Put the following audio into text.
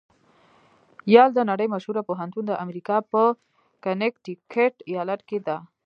یل د نړۍ مشهوره پوهنتون د امریکا په کنېکټیکیټ ایالات کې ده.